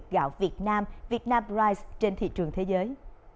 gạo việt nam việt nam rice trên thị trường thế giới